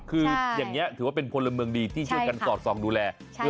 คืออย่างนี้ถือว่าเป็นพลเมืองดีที่ช่วยกันสอดส่องดูแล